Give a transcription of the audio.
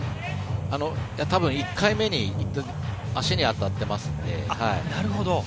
多分、１回目に足に当たってますので。